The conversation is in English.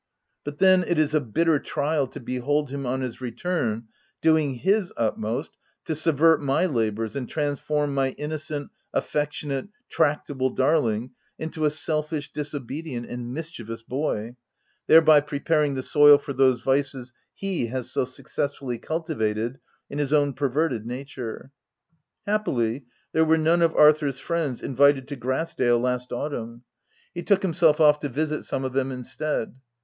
But then it is a bitter trial to behold him, on his return, doing his utmost to subvert my labours and transform my in nocent, affectionate, tractable darling into a selfish, disobedient, and mischievous boy ; thereby preparing the soil for those vices he has so successfully cultivated in his own per verted nature. Happily, there were none of Arthur's u friends " invited to Grass dale last autumn : OP WILDFELL HALL. 345 he took himself off to visit some of them in stead.